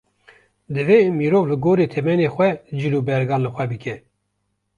Divê mirov li gorî temenê xwe cil û bergan li xwe bike.